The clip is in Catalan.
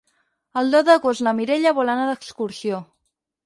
El deu d'agost na Mireia vol anar d'excursió.